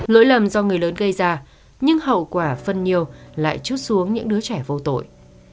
lỗi lầm do người lớn gây ra nhưng hậu quả phân nhiều lại chút xuống những đứa trẻ vô tội